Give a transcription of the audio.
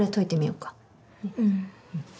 うん。